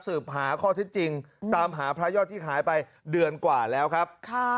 สืบหาข้อเท็จจริงตามหาพระยอดที่หายไปเดือนกว่าแล้วครับ